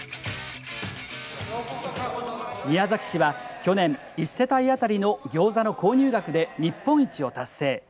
宮崎市は去年１世帯当たりのギョーザの購入額で日本一を達成。